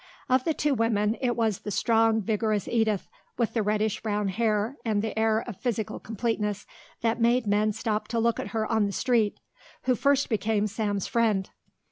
Of the two women it was the strong, vigorous Edith, with the reddish brown hair and the air of physical completeness that made men stop to look at her on the street, who first became Sam's friend.